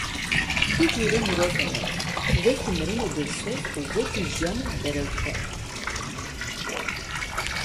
Du cure mirov hene; wekî mirinê dilsoz û wekî jiyanê derewker!